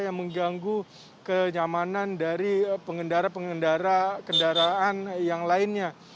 yang mengganggu kenyamanan dari pengendara pengendara kendaraan yang lainnya